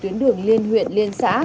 tuyến đường liên huyện liên xã